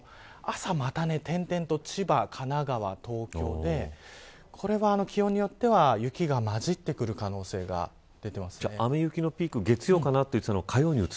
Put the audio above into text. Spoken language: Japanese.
朝、また点々と千葉、神奈川、東京でこれは気温によっては雪が、まじってくる可能性が出ています。